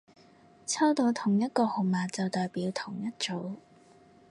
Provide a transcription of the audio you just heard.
抽到同一個號碼就代表同一組